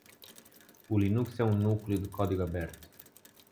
O Linux é um núcleo de código aberto.